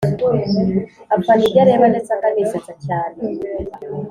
afana ibyareba ndetse akanisetsa cyane,